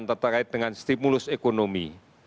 terkait dengan stimulus ekonomi